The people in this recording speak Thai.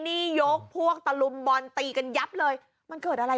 นี่ยกพวกตะลุมบอลตีกันยับเลยมันเกิดอะไร